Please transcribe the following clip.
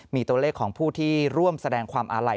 มีตัวเลขของผู้ที่ร่วมแสดงความอาลัย